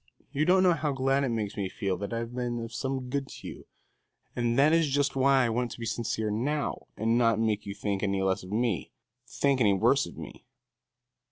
You don't know how glad it makes me feel that I have been of some good to you, and that is just why I want to be sincere now and not make you think any less of me think any worse of me."